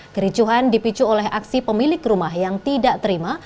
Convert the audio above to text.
kericuhan dipicu oleh aksi pemilik rumah yang tidak terima